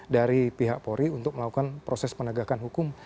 dari pihak polri untuk melakukan proses penegakan hukum